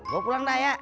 gua pulang dah ya